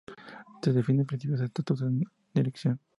Se definen principios, estatutos y dirección.